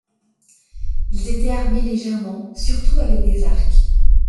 Ils étaient armés légèrement, surtout avec des arcs.